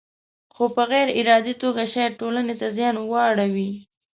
خو په غیر ارادي توګه شاید ټولنې ته زیان واړوي.